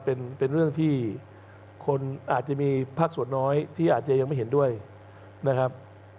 เป็นเรื่องที่คนอาจจะมีภาคส่วนน้อยที่อาจจะยังไม่เห็นด้วยนะครับ